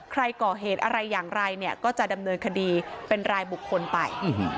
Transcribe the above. ใครก่อเหตุอะไรอย่างไรเนี่ยก็จะดำเนินคดีเป็นรายบุคคลไป